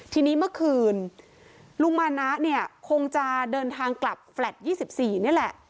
ทีนี้เมื่อคืนลุงมานะเนี่ยคงจะเดินทางกลับแฟลต์๒๔นี่แหละ